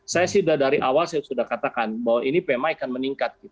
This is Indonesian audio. saya sih dari awal saya sudah katakan bahwa ini pmi akan meningkat